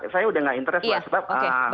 saya sudah tidak interest lah sebab